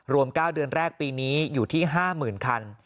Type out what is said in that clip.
๙เดือนแรกปีนี้อยู่ที่๕๐๐๐คัน